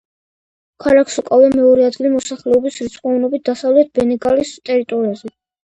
ქალაქს უკავია მეორე ადგილი მოსახლეობის რიცხოვნობით დასავლეთი ბენგალის ტერიტორიაზე.